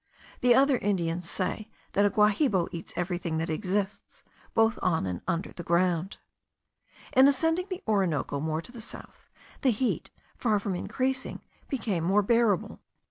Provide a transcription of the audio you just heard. The other Indians say, that a Guahibo eats everything that exists, both on and under the ground. In ascending the Orinoco more to the south, the heat, far from increasing, became more bearable.